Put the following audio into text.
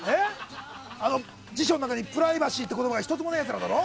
辞書の中にプライバシーって言葉が１つもないやつだろ？